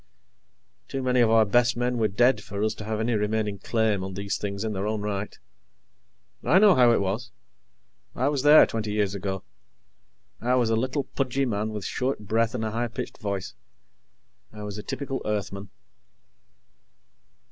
Too many of our best men were dead for us to have any remaining claim on these things in our own right. I know how it was. I was there, twenty years ago. I was a little, pudgy man with short breath and a high pitched voice. I was a typical Earthman.